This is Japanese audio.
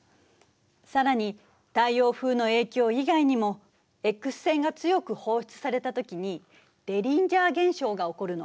更に太陽風の影響以外にもＸ線が強く放出されたときにデリンジャー現象が起こるの。